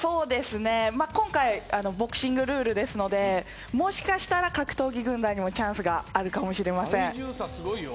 今回、ボクシングルールですので、もしかしたら格闘技軍団にもチャンスがあるかもしれません。